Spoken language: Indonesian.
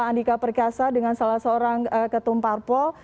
pak andika perkyasa dengan salah seorang ketumparpol